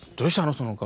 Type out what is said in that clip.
その顔。